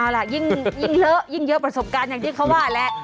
เอาล่ะยิ่งเลอะยิ่งเยอะประสบการณ์อย่างที่เขาว่าแหละ